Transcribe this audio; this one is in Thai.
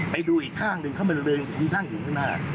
ไปดูอีกข้างหนึ่งเขาเริงถูกท่างอยู่หน้า